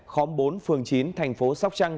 khóm bốn phường chín thành phố sóc trăng